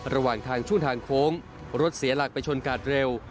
ระหว่างทางช่วงทางโค้งรถเสียหลักไปชนกาดเร็ว